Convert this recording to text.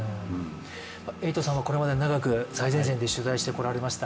エイトさんもこれまで長く最前線で取材してこられました。